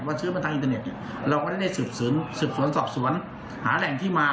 ว่ากดชื้อมาของินเทอร์เน็ตเนี่ยเราก็ได้ได้สิบสวนสอบสวนหารแหล่งที่มา